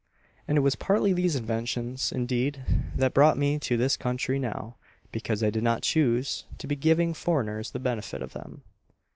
And it was partly these inventions, indeed, that brought me to this country now because I did not choose to be giving foreigners the benefit of them."